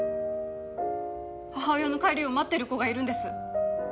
母親の帰りを待ってる子がいるんです！